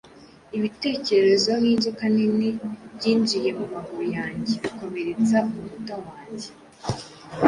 ibitekerezo nkinzoka nini Byinjiye mumaguru yanjye, bikomeretsa umunota wanjye.